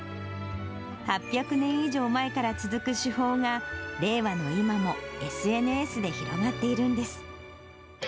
８００年以上前から続く手法が、令和の今もＳＮＳで広がっているんです。